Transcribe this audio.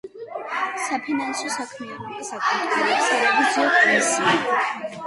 საფინანსო საქმიანობას აკონტროლებს სარევიზიო კომისია.